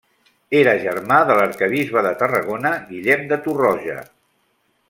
Era germà de l'arquebisbe de Tarragona Guillem de Torroja.